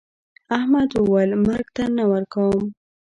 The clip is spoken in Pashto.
احمد وويل: مرگ ته نه ورکوم.